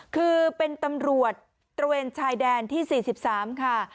คือเป็นตำรวจตระเวนชายแดนที่๔๓ค่ะ